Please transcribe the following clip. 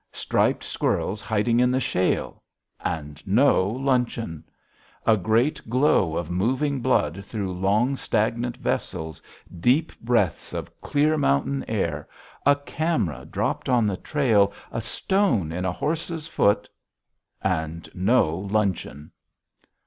Striped squirrels hiding in the shale and no luncheon! A great glow of moving blood through long stagnant vessels, deep breaths of clear mountain air, a camera dropped on the trail, a stone in a horse's foot and no luncheon!